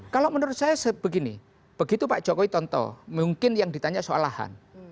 kalau menurut saya begini begitu pak jokowi tonton mungkin yang ditanya soalahan